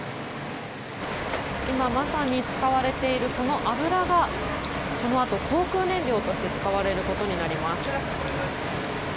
今まさに使われているこの油がこのあと航空燃料として使われることになります。